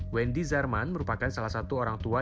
wendy zerman merupakan salah satu orangtua